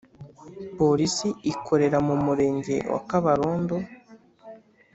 polisi ikorera mu murenge wa kabarondo